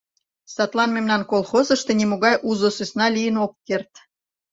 Садлан мемнан колхозышто нимогай узо сӧсна лийын ок керт.